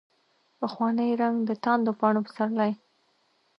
پخوانی رنګ، دتاندو پاڼو پسرلي